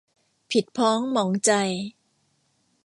ผิดพ้องหมองใจ